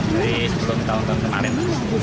dari sepuluh tahun kemarin